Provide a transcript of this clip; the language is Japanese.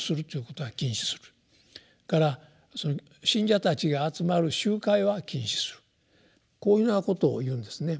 それから信者たちが集まる集会は禁止するこういうようなことを言うんですね。